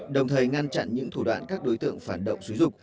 đồng thời ngăn chặn những thủ đoạn các đối tượng phản động xúi dục